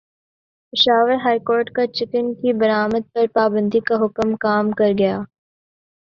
Peshawar high court کا chicken کی برآمد پر پابندی کا حکم کام کر گیا